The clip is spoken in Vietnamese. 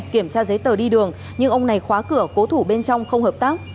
kiểm tra giấy tờ đi đường nhưng ông này khóa cửa cố thủ bên trong không hợp tác